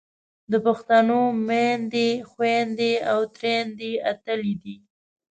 د پښتنو میندې، خویندې او تریندې اتلې دي.